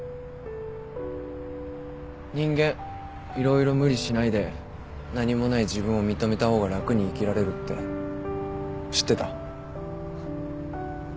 人間色々無理しないで何もない自分を認めた方が楽に生きられるって知ってた？